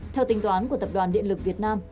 theo tính toán của tập đoàn điện lực việt nam